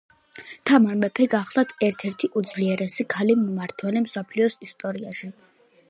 თამარ მეფე გახლდათ ერთ-ერთი უძლიერესი ქალი მმართველი მსოფლიოს ისტორიაში